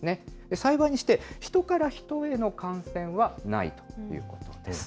幸いにして、人から人への感染はないということなんです。